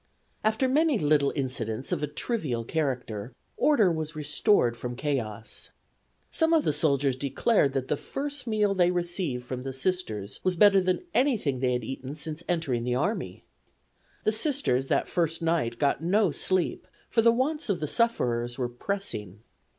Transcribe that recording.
After many little incidents of a trivial character order was restored from chaos. Some of the soldiers declared that the first meal they received from the Sisters was better than anything they had eaten since entering the army. The Sisters, that first night, got no sleep, for the wants of the sufferers were pressing.